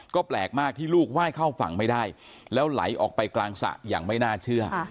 ก็แปลกมากที่ลูกไหว้เข้าฝั่งไม่ได้แล้วไหลออกไปกลางสระอย่างไม่น่าเชื่อ